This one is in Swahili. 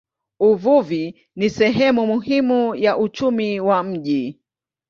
Uvuvi ni sehemu muhimu ya uchumi wa mji.